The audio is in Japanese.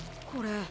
これ。